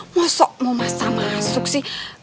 masa masuk sih